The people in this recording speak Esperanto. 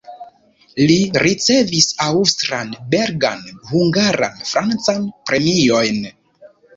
Li ricevis aŭstran, belgan, hungaran, francan premiojn.